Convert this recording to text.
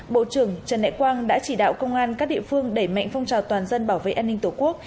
bộ trưởng trần đại quang đã chỉ đạo công an các địa phương đẩy mạnh phong trào toàn dân bảo vệ an ninh tổ quốc